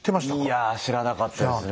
いや知らなかったですね。